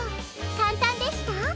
かんたんでした？